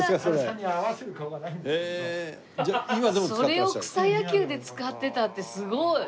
それを草野球で使ってたってすごい！